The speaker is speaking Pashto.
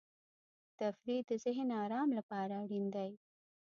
تفریح د ذهن د آرام لپاره اړین دی.